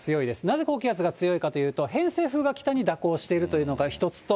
なぜ高気圧が強いかというと、偏西風が北に蛇行しているというのが一つと。